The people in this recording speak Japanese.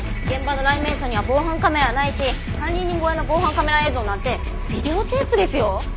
現場の雷冥荘には防犯カメラないし管理人小屋の防犯カメラ映像なんてビデオテープですよ。